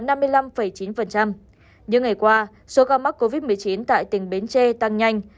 những ngày qua số ca mắc covid một mươi chín tại tỉnh bến tre tăng nhanh